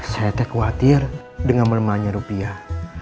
saya khawatir dengan melemahnya rupiah